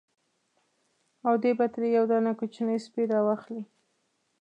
او دی به ترې یو دانه کوچنی سپی را واخلي.